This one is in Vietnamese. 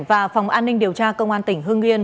và phòng an ninh điều tra công an tỉnh hương yên